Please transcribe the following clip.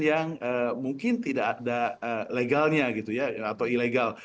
yang mungkin tidak ada legalnya gitu ya atau ilegal